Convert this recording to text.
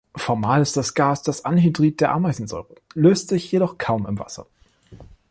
Formal ist das Gas das Anhydrid der Ameisensäure, löst sich jedoch kaum im Wasser.